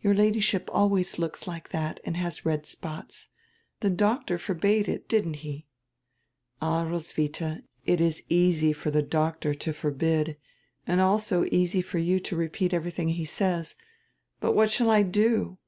Your Ladyship always looks like that and has red spots. The doctor forbade it, didn't he?" "All, Roswitha, it is easy for the doctor to forbid, and also easy for you to repeat everything he says. But what shall I do?